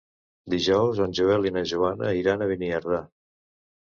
Dijous en Joel i na Joana iran a Beniardà.